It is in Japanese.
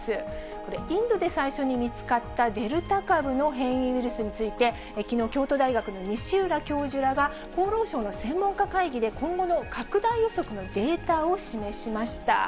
これ、インドで最初に見つかったデルタ株の変異ウイルスについて、きのう、京都大学の西浦教授らが、厚労省の専門家会議で今後の拡大予測のデータを示しました。